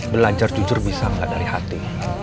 belanjar jujur bisa gak dari hati